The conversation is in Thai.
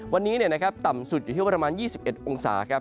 วันนี้ต่ำสุดอยู่ที่ประมาณ๒๑องศาครับ